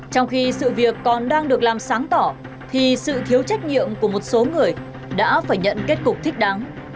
trong khi sự việc còn đang được làm sáng tỏ thì sự thiếu trách nhiệm của một số người đã phải nhận kết cục thích đáng